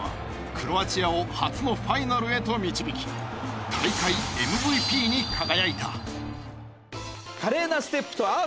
クロアチアを初のファイナルへと導き大会ＭＶＰに輝いた。